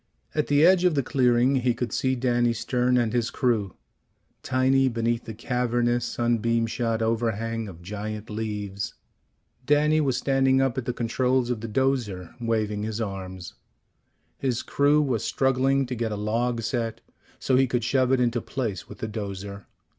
At the edge of the clearing he could see Danny Stern and his crew, tiny beneath the cavernous sunbeam shot overhang of giant leaves. Danny was standing up at the controls of the 'dozer, waving his arms. His crew was struggling to get a log set so he could shove it into place with the 'dozer.